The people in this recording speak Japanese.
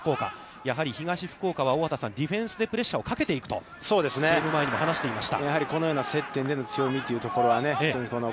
やはり東福岡は、大畑さん、ディフェンスでプレッシャーをかけていくとゲーム前にも話していました。